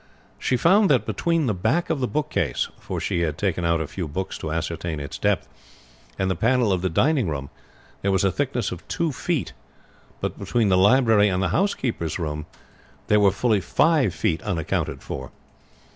She found that between the back of the bookcase for she had taken out a few books to ascertain its depth and the panel of the dining room there was a thickness of two feet; but between the library and the housekeeper's room there were fully five feet unaccounted for.